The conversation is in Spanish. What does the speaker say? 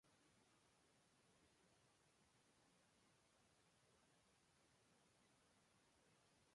Tiene amplias ventanas en el cuerpo superior y aspilleras a media altura.